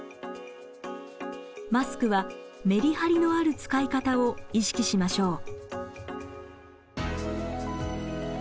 マスクはメリハリのある使い方を意識しましょう。